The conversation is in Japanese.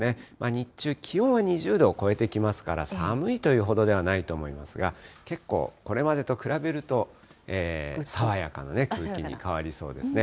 日中、気温は２０度を超えてきますから、寒いというほどではないと思いますが、結構、これまでと比べると、爽やかな空気に変わりそうですね。